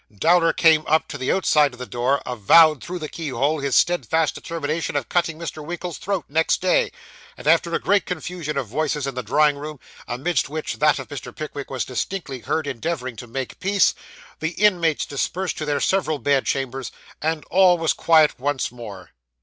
Dowler came up to the outside of the door; avowed, through the keyhole, his steadfast determination of cutting Mr. Winkle's throat next day; and, after a great confusion of voices in the drawing room, amidst which that of Mr. Pickwick was distinctly heard endeavouring to make peace, the inmates dispersed to their several bed chambers, and all was quiet once more.